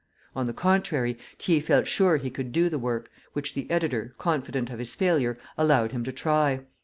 On the contrary, Thiers felt sure he could do the work, which the editor, confident of his failure, allowed him to try.